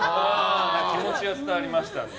気持ちは伝わりましたので。